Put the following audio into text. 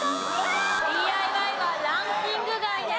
ＤＩＹはランキング外です。